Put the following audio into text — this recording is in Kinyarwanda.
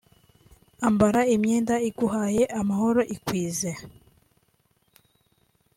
Ambara imyenda iguhaye amahoro (ikwize)